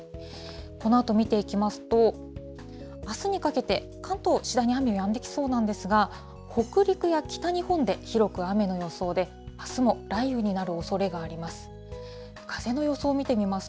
このあと見ていきますと、あすにかけて、関東、次第に雨やんでいきそうなんですが、北陸や北日本で広く雨の予想で、あすも雷雨になるおそれがあります。